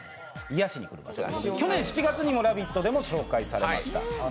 去年７月に「ラヴィット！」でも紹介されました。